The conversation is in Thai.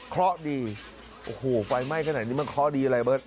เพราะดีโอ้โหไฟไหม้ขนาดนี้มันเคราะห์ดีอะไรเบิร์ต